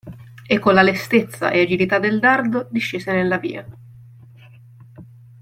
E colla lestezza e agilità del dardo, discese nella via.